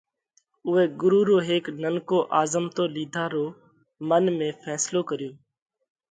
اُوئہ ڳرُو رو هيڪ ننڪو آزمتو لِيڌا رو منَ ۾ ڦينصلو ڪريو۔